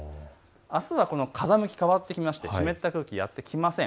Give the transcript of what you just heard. あすは風向きが変わって湿った空気はやって来ません。